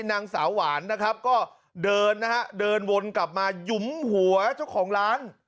นางสาวหวานนะครับก็เดินนะฮะเดินวนกลับมาหยุมหัวเจ้าของร้าน